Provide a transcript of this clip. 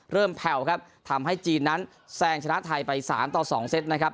แผ่วครับทำให้จีนนั้นแซงชนะไทยไป๓ต่อ๒เซตนะครับ